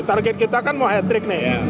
target kita kan mau hat trick nih